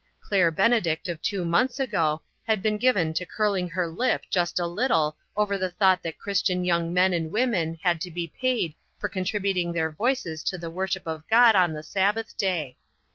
Claire Benedict of two months ago had been given to curling her lip just a little over the thought that Christian young men and women had to be paid for con tributing with their voices to the worship of God on the Sabbath day.